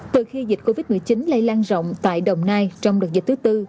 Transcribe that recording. từ khi dịch covid một mươi chín lây lan rộng tại đồng nai trong đợt dịch thứ tư